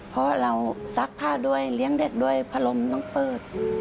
เพราะเราซักผ้าด้วยเลี้ยงเด็กด้วยพัดลมต้องเปิด